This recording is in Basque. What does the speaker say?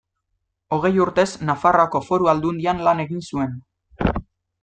Hogei urtez Nafarroako Foru Aldundian lan egin zuen.